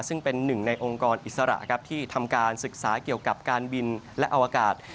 ซึ่งเป็นหนึ่งในองค์กรอิสระครับที่ทำการศึกษาเกี่ยวกับการบินและอวกาศ